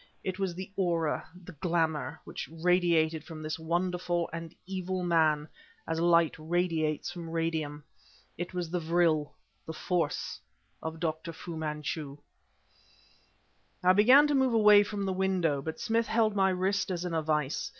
It was the aura, the glamour, which radiated from this wonderful and evil man as light radiates from radium. It was the vril, the force, of Dr. Fu Manchu. I began to move away from the window. But Smith held my wrist as in a vise.